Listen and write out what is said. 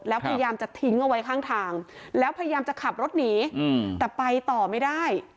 แล้วพยายามจะทิ้งเอาไว้ข้างทางแล้วพยายามจะขับรถหนีแต่ไปต่อไม่ได้